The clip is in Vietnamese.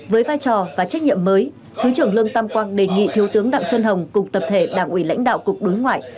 với vai trò và trách nhiệm mới thứ trưởng lương tam quang đề nghị thiếu tướng đặng xuân hồng cùng tập thể đảng ủy lãnh đạo cục đối ngoại